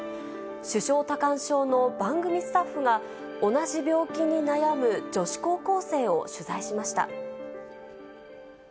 手掌多汗症の番組スタッフが、同じ病気に悩む女子高校生を取材しました。